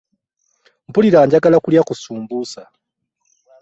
Mpulira njagala kulya ku sumbuusa.